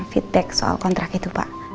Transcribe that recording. feedback soal kontrak itu pak